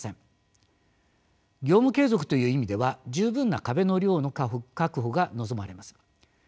業務継続という意味では十分な壁の量の確保が望まれます。